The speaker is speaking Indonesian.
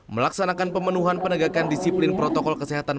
melaksanakan pemenuhan penegakan disiplin protokol kesehatan